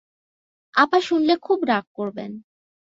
আপা শুনলে খুব রাগ করবেন।